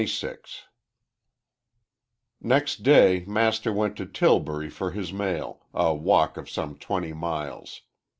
"_ XXVI NEXT day Master went to Tillbury for his mail, a walk of some twenty miles.